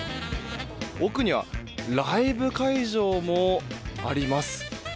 奥にはライブ会場もあります。